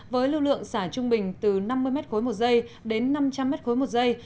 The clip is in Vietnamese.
với lưu lượng xả trung bình từ năm mươi m khối một dây đến năm trăm linh m khối một dây